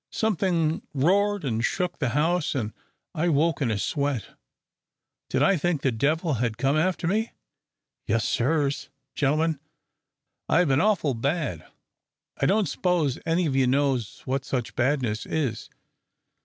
Somethin' roared an' shook the house an' I woke in a sweat. Did I think the devil had come after me? Yes, sirs gen'l'men, I've been awful bad, I don't s'pose any of you knows what such badness is.